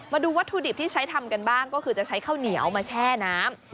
มาดูวัตถุดิบที่ใช้ทำกันบ้างก็คือจะใช้ข้าวเหนียวมาแช่น้ำ